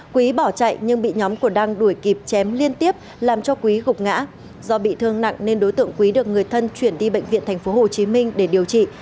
quý bỏ chạy nhưng bị nhóm của đăng đuổi kịp chém liên tiếp làm cho quý gục ngã do bị thương nặng nên đối tượng quý được người thân chuyển đi bệnh viện tp hcm để điều trị